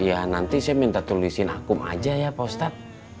ya nanti saya minta tulisin akum aja ya pak ustadz